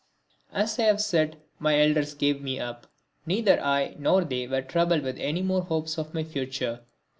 As I have said, my elders gave me up. Neither I nor they were troubled with any more hopes of my future.